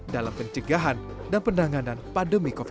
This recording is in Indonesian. dalam pencegahan dan penanganan pandemi covid sembilan belas